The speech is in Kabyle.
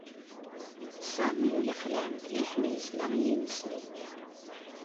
Sami yexleɛ mliḥ mi yesla i yimesli-nni.